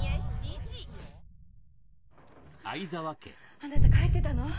あなた帰ってたの？